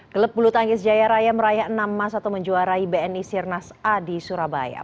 klub bulu tangkis jaya raya meraih enam emas atau menjuarai bni sirnas a di surabaya